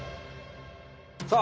さあ